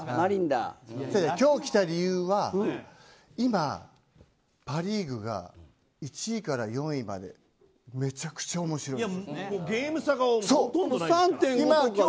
今日来た理由は今パ・リーグが１位から４位までめちゃくちゃ面白い。